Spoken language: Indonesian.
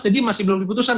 jadi masih belum diputusan